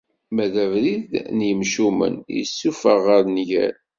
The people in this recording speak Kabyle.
Ma d abrid n yimcumen issufuɣ ɣer nnger.